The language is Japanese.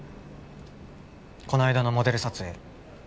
この間のモデル撮影